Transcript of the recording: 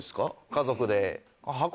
家族で。